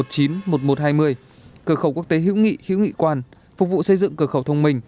cửa khẩu quốc tế hữu nghị hữu nghị quan phục vụ xây dựng cửa khẩu thông minh